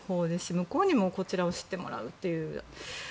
向こうにもこちらを知ってもらうという。